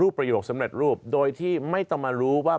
ประโยคสำเร็จรูปโดยที่ไม่ต้องมารู้ว่า